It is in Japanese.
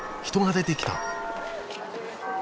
人が出てきた。